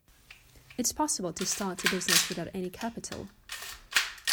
It's possible to start a business without any capital.